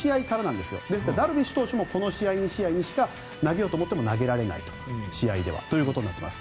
ですから、ダルビッシュ投手もこの２試合しか投げようと思っても試合では投げられないということになっています。